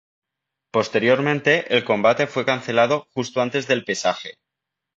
Posteriormente, el combate fue cancelado justo antes del pesaje.